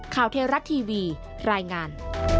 ข่าวเทราชทีวีรายงาน